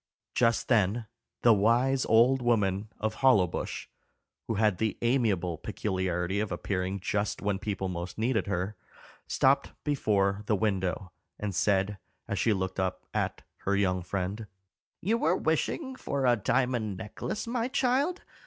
Just then the wise old woman of Hollowbush, who had the amiable peculiarity of appearing just when people most needed her, stopped before the window, and said, as she looked up at her young friend, "You were wishing for a diamond necklace, my child.